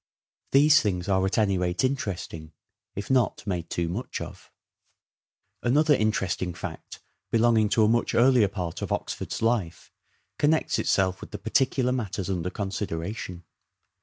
These things are at any rate interesting if not made too much of. Another interesting fact belonging to a much earlier FINAL OR SHAKESPEAREAN PERIOD 401 part of Oxford's life connects itself with the particular A wild matters under consideration.